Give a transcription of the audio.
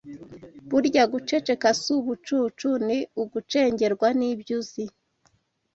Burya guceceka si ubucucu Ni ugucengerwa n’ ibyo uzi